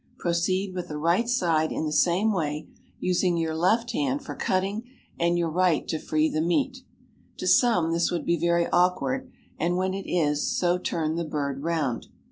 Proceed with the right side in the same way, using your left hand for cutting and your right to free the meat (to some this would be very awkward, and when it is so turn the bird round).